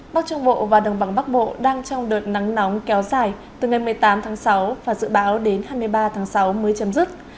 bắc trung bộ và đồng bằng bắc bộ đang trong đợt nắng nóng kéo dài từ ngày một mươi tám tháng sáu và dự báo đến hai mươi ba tháng sáu mới chấm dứt